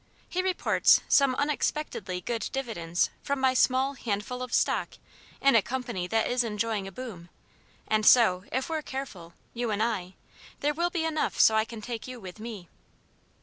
He reports some unexpectedly good dividends from my small handful of stock in a company that is enjoying a boom, and so if we're careful you and I there will be enough so I can take you with me."